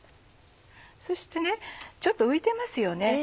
そしてちょっと浮いてますよね。